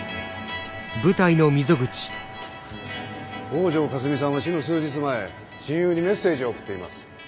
北條かすみさんは死の数日前親友にメッセージを送っています。